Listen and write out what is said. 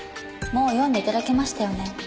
もう読んで頂けましたよね。